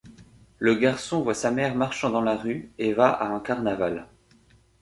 Le garçon voit sa mère marchant dans la rue, et va à un carnaval.